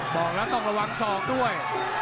บอกแล้วต้องระวังศอกด้วย